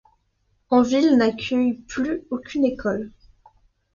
Anville n'accueille plus aucune école.